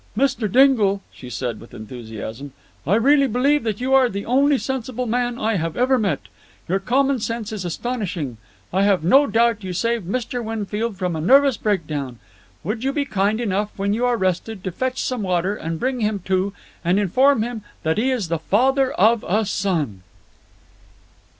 "Mr. Dingle," she said with enthusiasm, "I really believe that you are the only sensible man I have ever met. Your common sense is astonishing. I have no doubt you saved Mr. Winfield from a nervous break down. Would you be kind enough, when you are rested, to fetch some water and bring him to and inform him that he is the father of a son?"